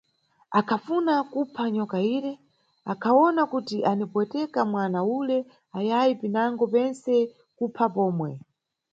Akhafuna kupha nyoka ire, akhawona kuti anipweteka mwana ule ayayi pinango pentse kumupha pomwe.